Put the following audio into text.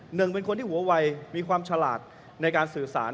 หนึ่งเป็นคนที่หัววัยมีความฉลาดในการสื่อสาร